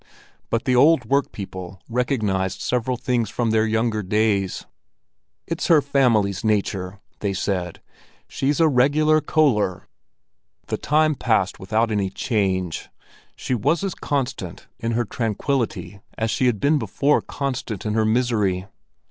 But the old workpeople recognized several things from their young days. "It's her family's nature," they said. "She's a regular Köller." The time passed without any change; she was as constant in her tranquillity as she had before been constant in her misery.